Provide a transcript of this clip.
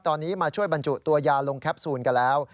ตอนนี้มาช่วยบรรจุตัวยาลงแคปซูลกันแล้ว